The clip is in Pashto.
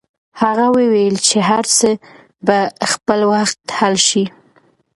هغه وویل چې هر څه به په خپل وخت حل شي.